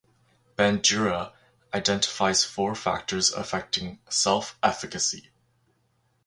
Bandura identifies four factors affecting self-efficacy.